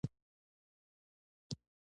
جاهل کسان خپل عزت په خپله له لاسه ور کوي